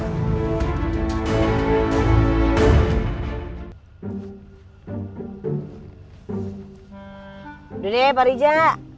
udah deh pak riza